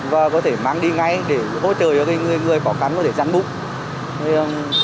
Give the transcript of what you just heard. và có thể mang đi ngay để hỗ trợ cho người khó khăn có thể răn bụng